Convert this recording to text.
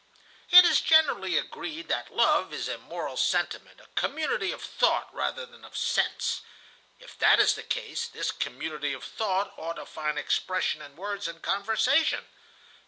"It is generally agreed that love is a moral sentiment, a community of thought rather than of sense. If that is the case, this community of thought ought to find expression in words and conversation.